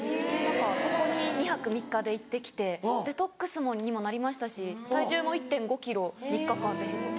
そこに２泊３日で行ってきてデトックスにもなりましたし体重も１．５ｋｇ３日間で減って。